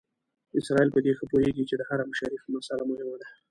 اسرائیل په دې ښه پوهېږي چې د حرم شریف مسئله مهمه ده.